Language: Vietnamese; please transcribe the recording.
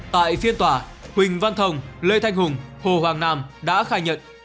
tại phiên tỏa huỳnh văn thông lê thanh hùng hồ hoàng nam đã khai nhận